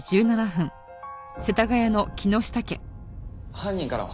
犯人からは？